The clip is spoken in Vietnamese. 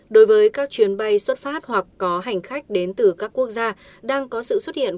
đối với các chuyến bay xuất phát hoặc có hành khách đến từ các quốc gia đang có sự xuất hiện